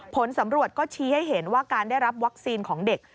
ผลสำรวจก็ชี้ให้เห็นว่าการได้รับวัคซีนของเด็ก